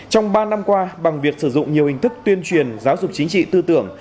trong ba năm qua bằng việc sử dụng nhiều hình thức tuyên truyền giáo dục chính trị tư tưởng